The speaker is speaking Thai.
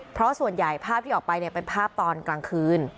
เพราะส่วนใหญ่ภาพที่ออกไปเป็นภาพตอนกลางคืน